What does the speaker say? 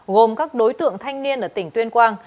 gồm các đối tượng thanh niên ở tỉnh tuyên quang